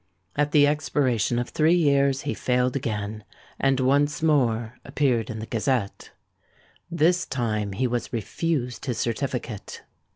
At the expiration of three years he failed again, and once more appeared in the Gazette. This time he was refused his certificate.